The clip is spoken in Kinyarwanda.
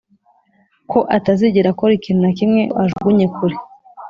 ko atazigera akora ikintu na kimwe ngo ajugunye kure